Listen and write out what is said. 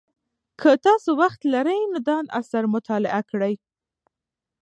که تاسو وخت لرئ نو دا اثر مطالعه کړئ.